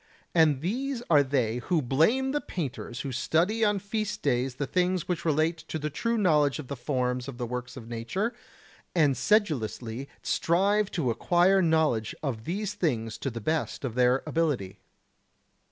And these are they who blame the painters who study on feast days the things which relate to the true knowledge of the forms of the works of nature, and sedulously strive to acquire knowledge of these things to the best of their ability.